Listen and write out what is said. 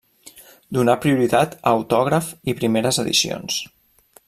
Donà prioritat a autògrafs i primeres edicions.